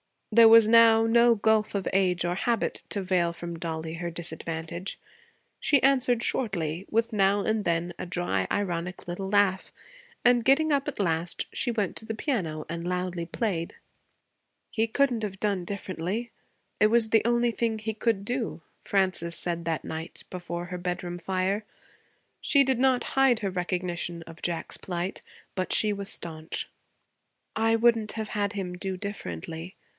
There was now no gulf of age or habit to veil from Dollie her disadvantage. She answered shortly, with now and then a dry, ironic little laugh; and, getting up at last, she went to the piano and loudly played. 'He couldn't have done differently. It was the only thing he could do,' Frances said that night before her bedroom fire. She did not hide her recognition of Jack's plight, but she was staunch. 'I wouldn't have had him do differently.